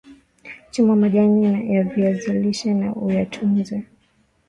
chuma majani ya viazi lishe na uyatunze